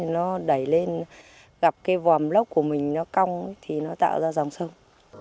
nó đẩy lên gặp cái vòm lốc của mình nó cong thì nó tạo ra dòng sông